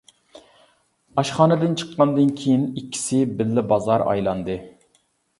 ئاشخانىدىن چىققاندىن كىيىن، ئىككىسى بىللە بازار ئايلاندى.